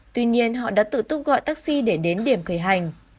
tuy nhiên họ đã tự tung gọi taxi để đến điểm khởi hành